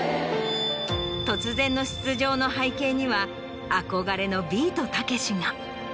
突然の出場の背景には憧れのビートたけしが。